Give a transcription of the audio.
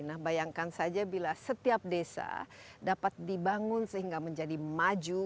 nah bayangkan saja bila setiap desa dapat dibangun sehingga menjadi maju